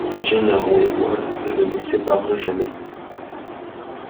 Gennaro et moi nous ne nous séparons jamais.